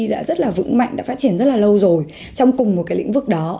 đã rất là vững mạnh đã phát triển rất là lâu rồi trong cùng một cái lĩnh vực đó